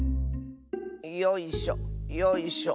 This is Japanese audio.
よいしょよいしょ。